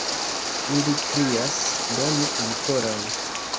Ili krias: donu ankoraŭ!